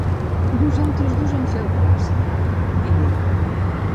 "Vosaltres dos em feu gràcia", digué.